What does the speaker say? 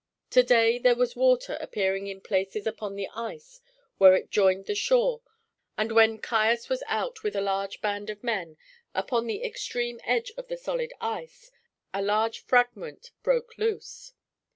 To day there was water appearing in places upon the ice where it joined the shore, and when Caius was out with a large band of men upon the extreme edge of the solid ice, a large fragment broke loose.